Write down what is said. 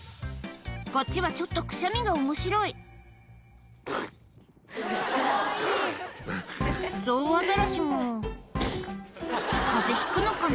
こっちはちょっとくしゃみが面白いゾウアザラシも風邪ひくのかな？